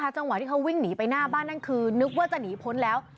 จังหวะที่เขาวิ่งหนีไปหน้าบ้านนั่นคือนึกว่าจะหนีพ้นแล้ว